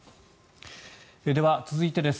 では続いてです。